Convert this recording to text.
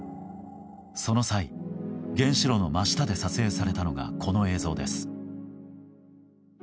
その際、原子炉の真下で撮影されたのがこの映像です。